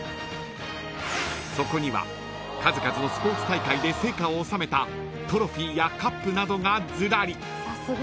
［そこには数々のスポーツ大会で成果を収めたトロフィーやカップなどがずらり］